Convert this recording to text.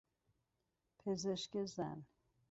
پزشک زن